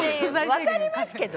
わかりますけど。